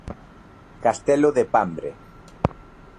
Castelo de Pambre.